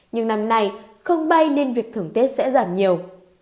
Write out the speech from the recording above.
nhưng năm nay không bay nên việc thưởng tết sẽ giảm nhiều